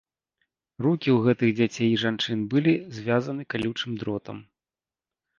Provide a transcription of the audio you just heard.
Рукі ў гэтых дзяцей і жанчын былі звязаны калючым дротам.